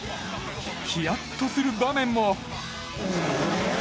ヒヤッとする場面も。